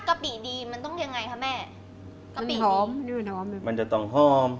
กะปิดีมันหอมมันจังกันมันจะตองฮ่อม